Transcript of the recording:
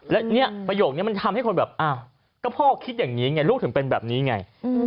แล้วเนี่ยประโยคนี้มันทำให้คนแบบอ้าวก็พ่อคิดอย่างนี้ไงลูกถึงเป็นแบบนี้ไง